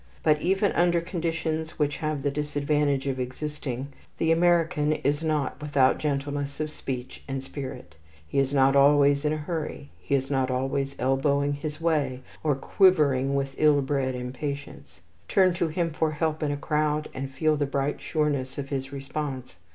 But even under conditions which have the disadvantage of existing, the American is not without gentleness of speech and spirit. He is not always in a hurry. He is not always elbowing his way, or quivering with ill bred impatience. Turn to him for help in a crowd, and feel the bright sureness of his response.